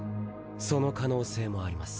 その可能性もあります